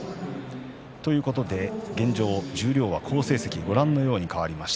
現状、十両は好成績ご覧のように変わりました。